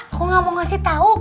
aku gak mau ngasih tau